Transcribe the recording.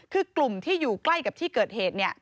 คือกลุ่มที่อยู่ใกล้กับที่เกิดเหตุเนี่ย